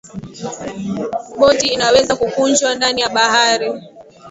boti inaweza kukunjwa ndani ya bahari